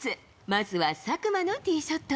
まずは佐久間のティーショット。